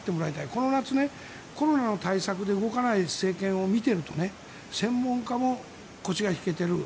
この夏コロナの対策で動かない政権を見ていると専門家も腰が引けている。